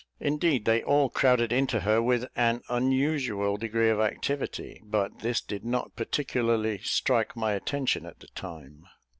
Indeed they all crowded into her with an unusual degree of activity; but this did not particularly strike my attention at the time.